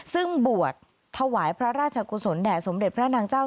ซึ่งบวชถวายพระราชกุศลแด่สมเด็จพระนางเจ้า